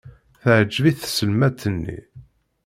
Teɛjeb-it tselmadt-nni.